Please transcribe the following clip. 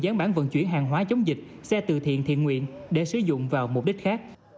gián bản vận chuyển hàng hóa chống dịch xe từ thiện thiện nguyện để sử dụng vào mục đích khác